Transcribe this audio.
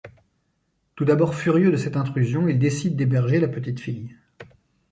Tout d’abord furieux de cette intrusion il décide d’héberger la petite fille.